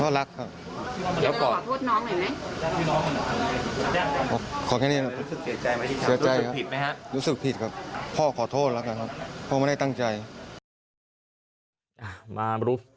รู้สึกผิดครับพ่อขอโทษแล้วกันครับพ่อไม่ได้ตั้งใจ